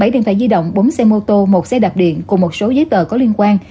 bảy điện thoại di động bốn xe mô tô một xe đạp điện cùng một số giấy tờ có liên quan